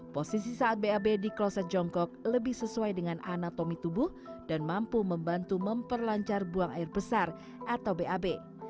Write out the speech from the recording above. posisi saat bab di kloset jongkok lebih sesuai dengan anatomi tubuh dan mampu membantu memperlancar buang air besar atau bab